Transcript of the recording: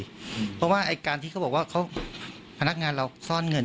เพราะว่าไอ้การที่เขาบอกว่าพนักงานเราซ่อนเงิน